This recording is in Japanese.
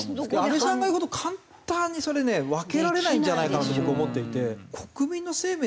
安部さんが言う事簡単にそれね分けられないんじゃないかなと僕思っていて。